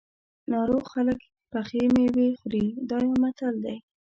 ناروغ خلک پخې مېوې خوري دا یو متل دی.